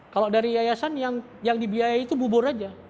kalau dari yayasan yang dibiayai itu bubur aja